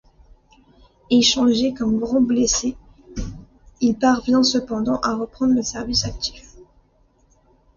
Échangé comme grand blessé, il parvient cependant à reprendre le service actif.